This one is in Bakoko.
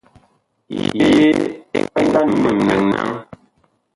Yee ɛ nga num mɓɛɛŋ naŋ ?